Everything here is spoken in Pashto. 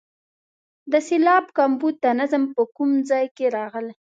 د سېلاب کمبود د نظم په کوم ځای کې راغلی.